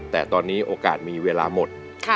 แต่ตอนนี้โอกาสมีเวลาหมด